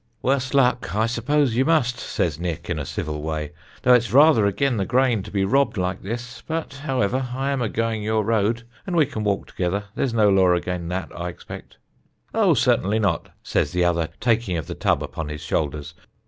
'Worse luck, I suppose you must,' says Nick in a civil way, 'though it's rather again' the grain to be robbed like this; but, however, I am a going your road, and we can walk together there's no law again' that I expect.' 'Oh, certainly not,' says the other, taking of the tub upon his shoulders.